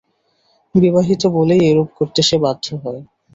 বিবাহিত বলেই এরূপ করতে সে বাধ্য হয়।